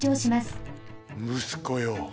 むすこよ。